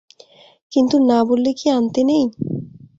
কিন্তু না বললে কি আনতে নেই?